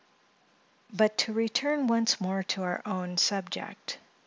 But to return once more to our own subject.